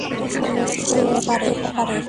শুনেছি সে ব্যাপারে।